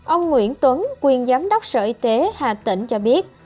ông nguyễn tuấn quyền giám đốc sở y tế hà tĩnh cho biết